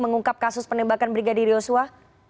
mengungkap kasus penembakan brigadir yosua